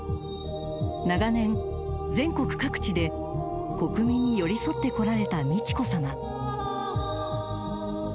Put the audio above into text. ［長年全国各地で国民に寄り添ってこられた美智子さま］